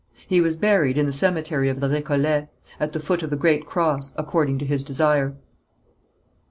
He was buried in the cemetery of the Récollets, at the foot of the great cross, according to his desire.